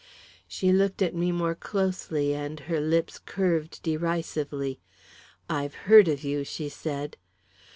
She looked at me more closely, and her lips curved derisively. "I've heard of you," she said.